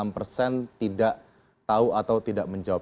enam persen tidak tahu atau tidak menjawab